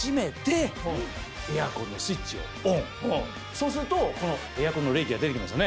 そうするとこのエアコンの冷気が出てきますよね。